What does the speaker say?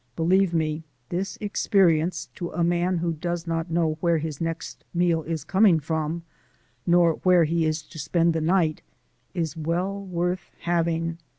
Believe me, this experience to a man who does not know where his next meal is coming from, nor where he is to spend the night, is well worth having.